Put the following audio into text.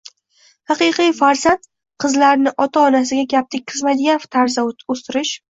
haqiqiy farzand, qizlarini ota-onasiga gap tekkizmaydigan tarzda o'stirish